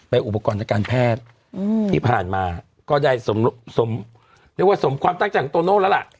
อุปกรณ์ทางการแพทย์ที่ผ่านมาก็ได้สมเรียกว่าสมความตั้งใจของโตโน่แล้วล่ะ